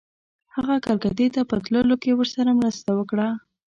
هغه کلکتې ته په تللو کې ورسره مرسته وکړه.